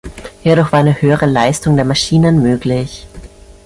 Hierdurch war eine höhere Leistung der Maschinen möglich.